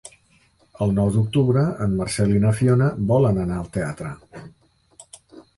El nou d'octubre en Marcel i na Fiona volen anar al teatre.